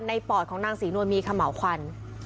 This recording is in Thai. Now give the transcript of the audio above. ปอดของนางศรีนวลมีเขม่าวควัน